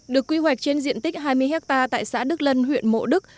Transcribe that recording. được quy hoạch trên diện tích hai mươi hectare tại xã đức lân huyện mộ đức